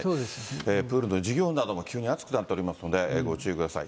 プールの授業なども急に暑くなっておりますのでご注意ください。